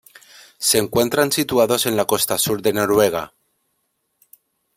Se encuentran situados en la costa sur de Noruega.